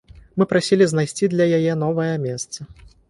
Мы прасілі знайсці для яе новае месца.